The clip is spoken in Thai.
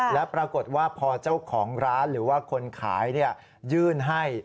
และปรากฏว่าพอเจ้าของร้านหรือว่าคนขายยื่นให้